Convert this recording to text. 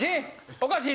おかしい